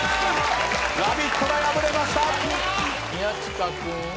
ラビットラ敗れました。